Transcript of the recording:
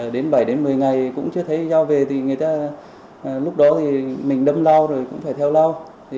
đến bảy một mươi ngày cũng chưa thấy giao về lúc đó mình đâm lao rồi cũng phải theo lao